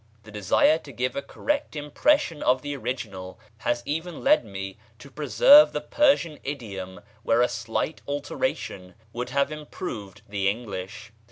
The desire to give a correct impression of the original has even led me to preserve the Persian idiom where a slight alteration would have improved the English.